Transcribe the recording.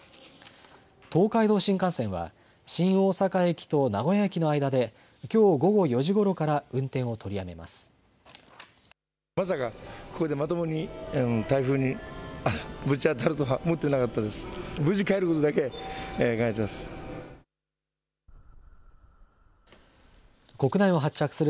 東海道新幹線は新大阪駅と名古屋駅の間できょう午後４時ごろから運転を取りやめます。